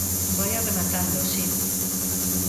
Vaia rematando, si.